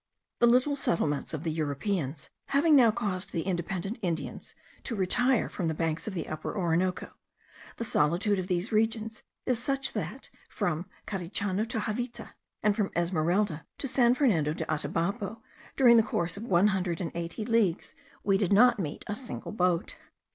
The little settlements of the Europeans having now caused the independent Indians to retire from the banks of the Upper Orinoco, the solitude of these regions is such, that from Carichana to Javita, and from Esmeralda to San Fernando de Atabapo, during a course of one hundred and eighty leagues, we did not meet a single boat.